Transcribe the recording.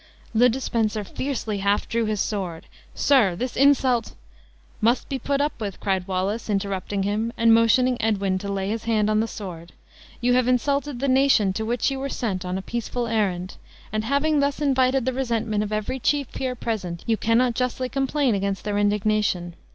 Le de Spencer fiercely half drew his sword; "Sir, this insult " "Must be put up with," cried Wallace, interrupting him, and motioning Edwin to lay his hand on the sword; "you have insulted the nation to which you were sent on a peaceful errand; and having thus invited the resentment of every chief here present, you cannot justly complain against their indignation.